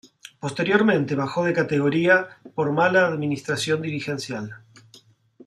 Posteriormente bajó de categoría por mala administración dirigencial.